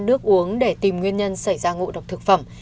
nước uống để tìm nguyên nhân xảy ra ngộ độc thực phẩm